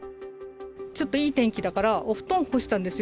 ちょっといい天気だから、お布団干したんですよ。